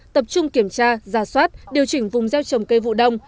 tập trung kiểm tra giả soát điều chỉnh vùng gieo trồng cây vụ đông